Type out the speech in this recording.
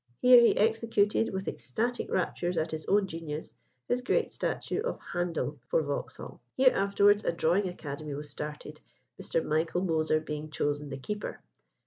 Here he executed, with ecstatic raptures at his own genius, his great statue of Handel for Vauxhall. Here afterwards a drawing academy was started, Mr. Michael Moser being chosen the keeper.